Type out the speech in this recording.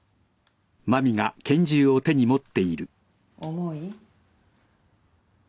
重い？